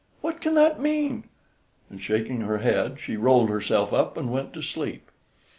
_ What can that mean?" and, shaking her head, she rolled herself up and went to sleep.